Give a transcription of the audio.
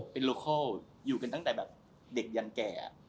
เป็นโลเคิลอยู่กันตั้งแต่แบบเด็กยันแก่